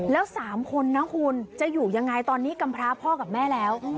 แล้ว๓คนนะคุณจะอยู่ยังไงตอนนี้กำพร้าพ่อกับแม่แล้ว